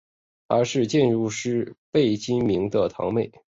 她是建筑师贝聿铭的堂妹。